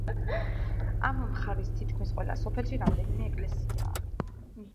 ამ მხარის თითქმის ყველა სოფელში რამდენიმე ეკლესიაა.